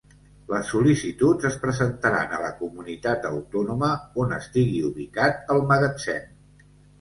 Les sol·licituds es presentaran a la comunitat autònoma on estigui ubicat el magatzem.